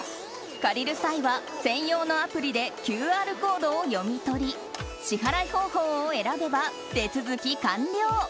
借りる際は専用のアプリでＱＲコードを読み取り支払方法を選べば手続き完了。